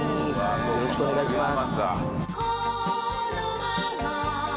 よろしくお願いします。